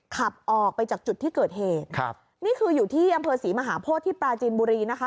ขับออกไปจากจุดที่เกิดเหตุครับนี่คืออยู่ที่อำเภอศรีมหาโพธิที่ปราจีนบุรีนะคะ